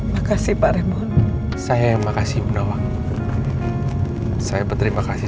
makasih pak raymond saya yang makasih bunda wa saya berterima kasih